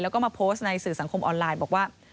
แล้วก็มาโพสต์ในสื่อสังคมออนไลน์บอกว่า